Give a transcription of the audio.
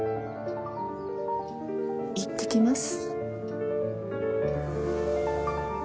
いってきます。